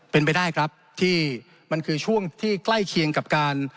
เป็นไปได้ครับที่มันคือช่วงที่ใกล้เคียงกับการ